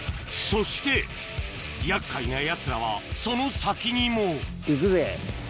そして厄介なやつらはその先にも行くぜ。